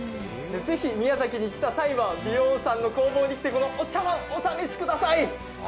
ぜひ宮崎に来た際はビョーンさんの工房に来てこのお茶わん、お試しください。